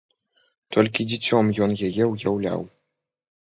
Толькі дзіцём ён яе ўяўляў.